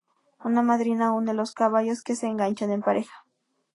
Una madrina une los caballos que se enganchan en pareja.